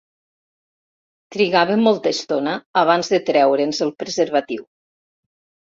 Trigàvem molta estona abans de treure'ns el preservatiu.